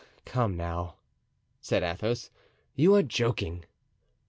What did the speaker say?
"Come, now," said Athos, "you are joking."